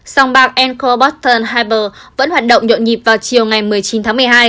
song bạc anchor boston harbor vẫn hoạt động nhộn nhịp vào chiều ngày một mươi chín tháng một mươi hai